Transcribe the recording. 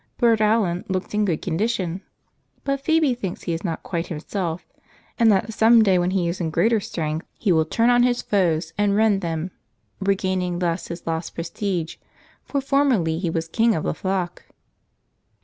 Burd Alane looks in good condition, but Phoebe thinks he is not quite himself, and that some day when he is in greater strength he will turn on his foes and rend them, regaining thus his lost prestige, for formerly he was king of the flock.